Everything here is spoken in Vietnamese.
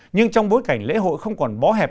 nhưng trong bối cảnh lễ hội không còn bó hẹp